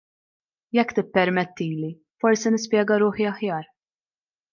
Jekk tippermettili, forsi nispjega ruħi aħjar.